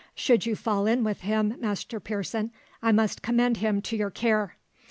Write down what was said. Should you fall in with him, Master Pearson, I must commend him to your care.